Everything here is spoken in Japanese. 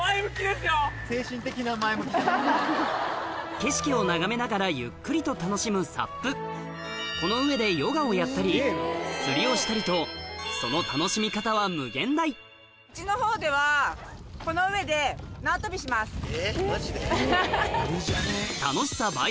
景色を眺めながらゆっくりと楽しむＳＵＰこの上でヨガをやったり釣りをしたりとそのえっマジで？